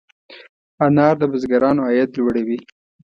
انار د بزګرانو عاید لوړوي.